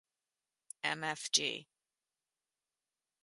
Mfg.